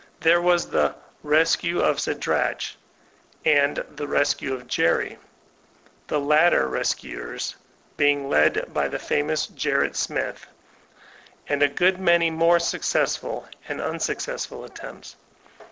There was the ''rescue of Shadrach,'' and the "rescue of Jerry,'' the latter rescuers being led by the famous Gerrit Smith; and a good many more successful and unsuccessful at tempts.